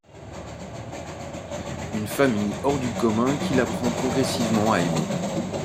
Une famille hors du commun qu'il apprend progressivement à aimer.